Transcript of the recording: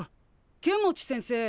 剣持先生。